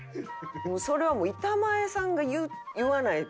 それはもう板前さんが言わないと。